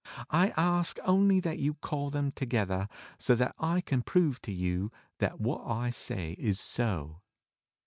I ask only that you call them together so that I can prove to you that what I say is so."